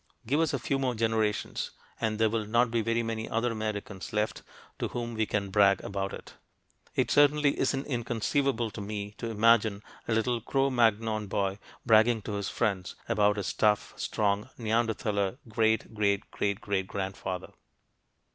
Give us a few more generations and there will not be very many other Americans left to whom we can brag about it. It certainly isn't inconceivable to me to imagine a little Cro Magnon boy bragging to his friends about his tough, strong, Neanderthaler great great great great grandfather!